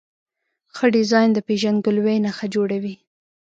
ښه ډیزاین د پېژندګلوۍ نښه جوړوي.